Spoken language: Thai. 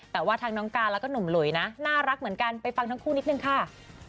แต่ว่าทั้งน้องการแล้วก็หนุ่มหลุยนะน่ารักเหมือนกันไปฟังทั้งคู่นิดนึงค่ะ